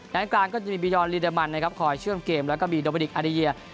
ด้านกลางก็จะมีบียอนลีเดอร์มันนะครับคอยเชื่อมเกมแล้วก็มีโดมินิกอาดิเยีย